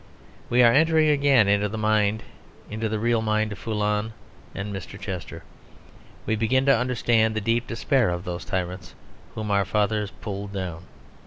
We are entering again into the mind, into the real mind of Foulon and Mr. Chester. We begin to understand the deep despair of those tyrants whom our fathers pulled down.